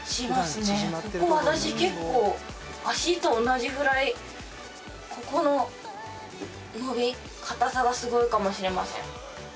ここ私結構脚と同じぐらいここの伸び硬さがすごいかもしれません。